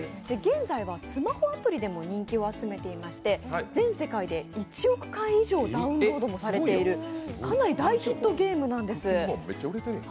現在はスマホアプリでも人気を集めていまして全世界で１億回以上ダウンロードもされているかなり大ヒットゲームなんです。